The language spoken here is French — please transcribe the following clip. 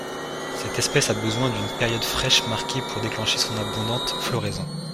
Cette espèce a besoin d'une période fraîche marquée pour déclencher son abondante floraison.